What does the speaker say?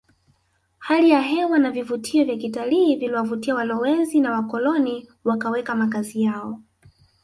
Hali ya hewa na vivutio vya kitalii viliwavutia walowezi na wakoloni wakaweka makazi yao